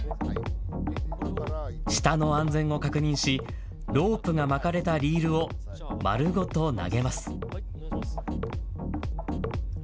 下の安全を確認し、ロープが巻かれたリールを丸ごと投げます。